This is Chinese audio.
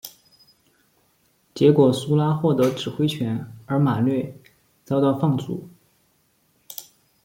结果苏拉获得指挥权而马略遭到放逐。